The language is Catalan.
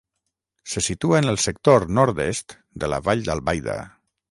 Se situa en el sector nord-est de la Vall d'Albaida.